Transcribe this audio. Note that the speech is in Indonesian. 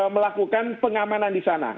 melakukan pengamanan di sana